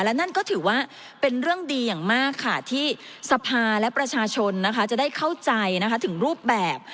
และนั่นก็ถือว่าเป็นเรื่องดีอย่างมากค่ะที่สภาและประชาชนนะคะจะได้เข้าใจถึงรูปแบบ